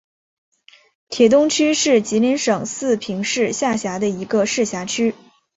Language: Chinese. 铁东区是吉林省四平市下辖的一个市辖区。